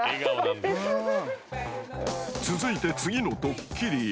［続いて次のドッキリへ］